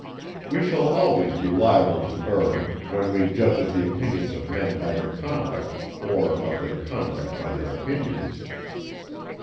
We shall always be liable to err, when we judge of the opinions of men by their conduct, or of their conduct by their opinions.